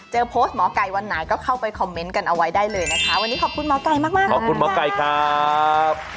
โพสต์หมอไก่วันไหนก็เข้าไปคอมเมนต์กันเอาไว้ได้เลยนะคะวันนี้ขอบคุณหมอไก่มากมากขอบคุณหมอไก่ครับ